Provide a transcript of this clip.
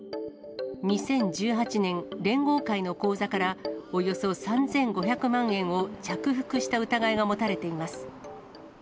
２０１８年、連合会の口座から、およそ３５００万円を着服した疑いが持たれています。